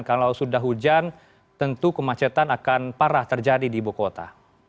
kalau sudah hujan tentu kemacetan akan parah terjadi di ibu kota